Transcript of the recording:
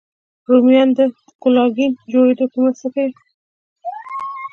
رومیان د کولاګین جوړېدو کې مرسته کوي